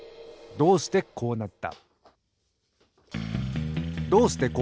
どうしてこうなった？